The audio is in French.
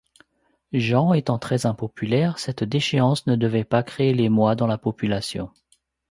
Jean étant très impopulaire, cette déchéance ne devait pas créer d’émoi dans la population.